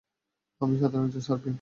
আমি সাধারণ একজন সার্বিয়ান!